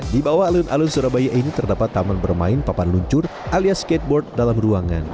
di bawah alun alun surabaya ini terdapat taman bermain papan luncur alias skateboard dalam ruangan